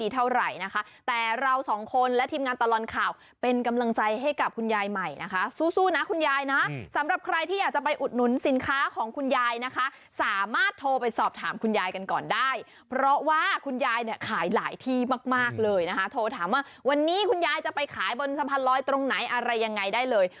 ตรงไหนอะไรยังไงได้เลย